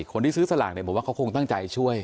คนที่ซื้อสลากเนี่ยผมว่าเขาคงตั้งใจช่วย